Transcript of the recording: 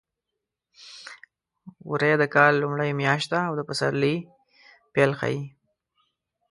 وری د کال لومړۍ میاشت ده او د پسرلي پیل ښيي.